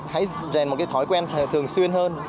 hãy dành một thói quen thường xuyên hơn